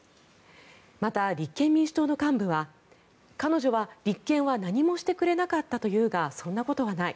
また、立憲民主党の幹部は彼女は、立憲は何もしてくれなかったと言うがそんなことはない。